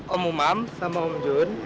om umam sama om jun